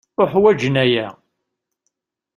Uḥwaǧen aya.